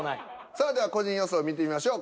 さあじゃあ個人予想を見てみましょう。